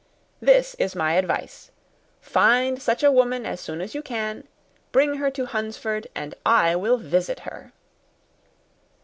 This is my advice. Find such a woman as soon as you can, bring her to Hunsford, and I will visit her.